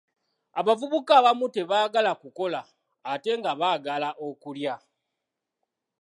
Abavubuka abamu tebaagala kukola ate nga baagala okulya.